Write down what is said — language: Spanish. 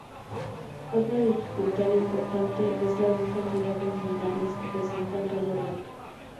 Otra dificultad importante es la gran cantidad de minerales que presentan raya blanca.